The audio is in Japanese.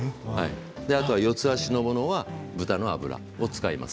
四つ足のものは豚の油を使います。